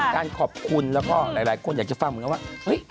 การขอบคุณแล้วก็หลายคนอยากจะฟังเหมือนกันว่าเฮ้ย